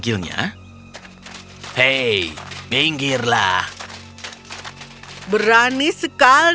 kami adalah teman baik sekarang